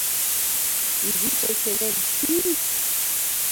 Изи чеченем, кӱ-ӱ-ш!